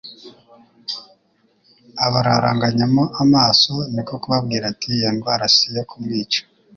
Abararanganyamo amaso niko kubabwira, ati : "Iyo ndwara si iyo kumwica,